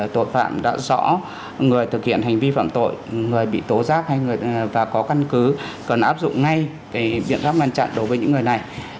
tội phạm đã rõ người thực hiện hành vi phạm tội người bị tố giác hay và có căn cứ cần áp dụng ngay biện pháp ngăn chặn đối với những người này